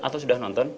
atau sudah nonton